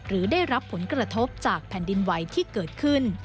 หรือได้รับผลกระทบจากแผ่นดินไหวที่เกิดขึ้น